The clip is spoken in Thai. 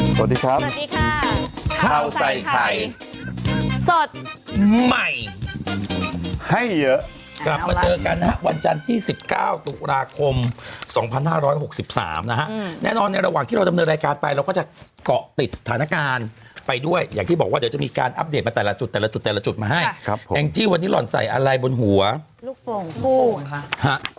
สวัสดีครับสวัสดีค่ะข้าวใส่ไข่สดใหม่ให้เยอะกลับมาเจอกันนะฮะวันจันทร์ที่๑๙ตุลาคม๒๕๖๓นะฮะแน่นอนในระหว่างที่เราดำเนินรายการไปเราก็จะเกาะติดสถานการณ์ไปด้วยอย่างที่บอกว่าเดี๋ยวจะมีการอัปเดตมาแต่ละจุดแต่ละจุดแต่ละจุดมาให้ครับแองจี้วันนี้หล่อนใส่อะไรบนหัวลูกโป่งคู่นะคะ